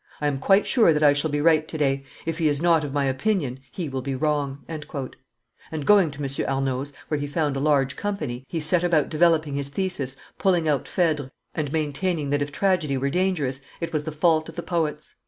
I am quite sure that I shall be right to day; if he is not of my opinion, he will be wrong." And, going to M. Arnauld's, where he found a large company, be set about developing his thesis, pulling out Phedre, and maintaining that if tragedy were dangerous, it was the fault of the poets.